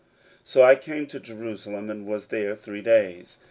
16:002:011 So I came to Jerusalem, and was there three days.